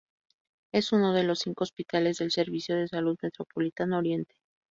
Es uno de los cinco hospitales del Servicio de Salud Metropolitano Oriente.